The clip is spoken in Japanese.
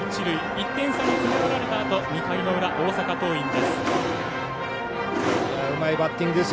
１点差に詰め寄られたあと２回の裏、大阪桐蔭です。